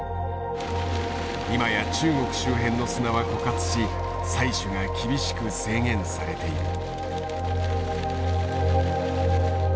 今や中国周辺の砂は枯渇し採取が厳しく制限されている。